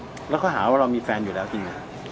บ๊วยแล้วเขาหาว่าเรามีแฟนอยู่แล้วที่นี่ครับ